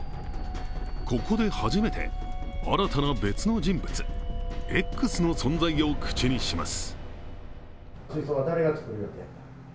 ここで初めて新たな別の人物、Ｘの存在を口にします。